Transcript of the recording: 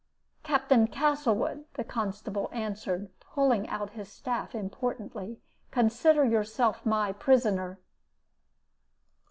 "'Captain Castlewood,' the constable answered, pulling out his staff importantly, 'consider yourself my prisoner.'